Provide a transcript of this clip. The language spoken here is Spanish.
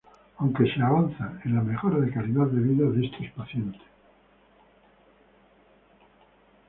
Aunque se avanza en la mejora de calidad de vida de estos pacientes.